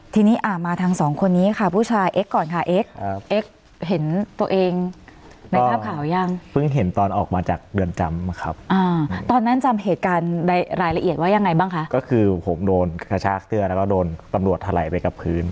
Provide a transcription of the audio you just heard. ทีนี้อ่ามาทางสองคนนี้ค่ะผู้ชายเอ็กก่อนค่ะเอ็ก